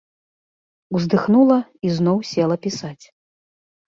Уздыхнула і зноў села пісаць.